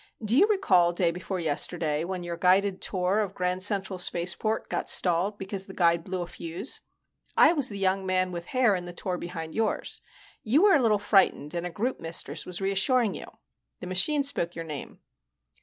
Do you recall day before yesterday when your guided tour of Grand Central Spaceport got stalled because the aide blew a fuse? I was the young man with hair in the tour behind yours. You were a little frightened and a groupmistress was reassuring you. The machine spoke your name.